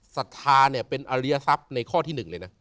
ศรัทธาเนี่ยเป็นอาริยศัพท์ในข้อที่หนึ่งเลยนะ